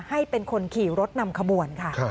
ให้เป็นคนขี่รถนำขบวนค่ะ